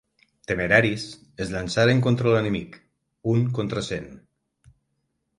Temeraris, es llançaren contra l'enemic, un contra cent.